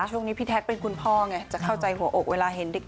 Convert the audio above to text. ช่วงนี้พี่แท็กเป็นคุณพ่อไงจะเข้าใจหัวอกเวลาเห็นเด็ก